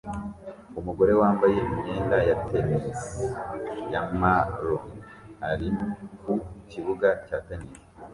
Umugore wambaye imyenda ya tennis ya maroon ari ku kibuga cya tennis